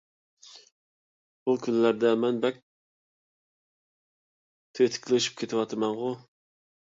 بۇ كۈنلەردە مەن بەك تېتىكلىشىپ كېتىۋاتىمەنغۇ!